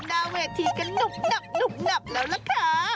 หน้าเวทีกันหนุบหนับแล้วล่ะค่ะ